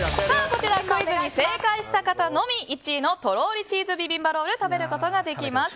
こちら、クイズに正解した方のみ１位のとろりチーズのビビンバロール食べることができます。